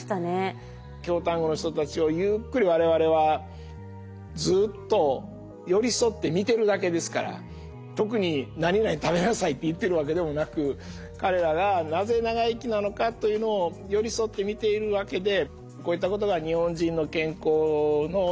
京丹後の人たちをゆっくり我々はずっと寄り添って見てるだけですから特に「なになに食べなさい」って言ってるわけでもなく彼らがなぜ長生きなのかというのを寄り添って見ているわけで。